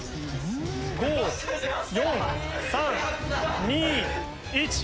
５・４・３・２・１。